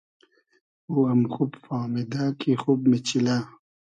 او ام خوب فامیدۂ کی خوب میچیلۂ